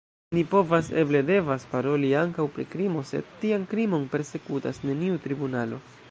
Ni povas, eble devas paroli ankaŭ pri krimo, sed tian krimon persekutas neniu tribunalo.